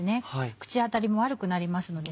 口当たりも悪くなりますので。